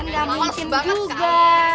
gak mungkin juga